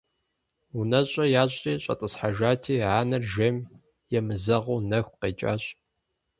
УнэщӀэ ящӀри щӀэтӀысхьэжати, анэр жейм емызэгъыу нэху къекӀащ.